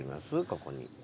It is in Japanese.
ここに。